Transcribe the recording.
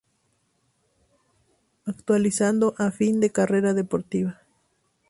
Actualizado a fin de carrera deportiva.